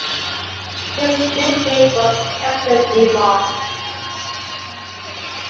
His nickname was Kapitan Imok.